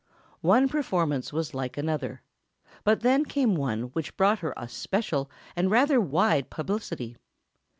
One performance was like another; but then came one which brought her a special and rather wide publicity.